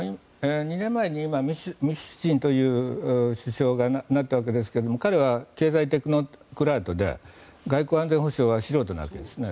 ２年前にミシュスチンという首相がなったわけですけれども彼は経済テクノクラートで外交・安全保障は素人なわけですね。